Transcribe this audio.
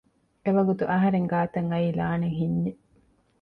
އެވަގުތު އަހަރެން ގާތަށް އައީ ލާނެތް ހިންޏެއް